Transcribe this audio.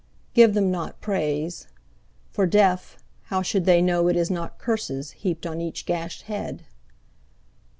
Give them not praise. For deaf, how should they know It is not curses heaped on each gashed head?